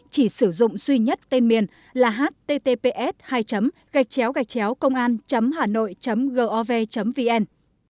chỉ sử dụng duy nhất tên miền là https hai gachchaogachchaocongan hanoi gov vn